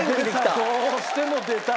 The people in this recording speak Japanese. どうしても出たい。